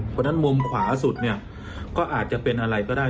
เพราะฉะนั้นมุมขวาสุดเนี่ยก็อาจจะเป็นอะไรก็ได้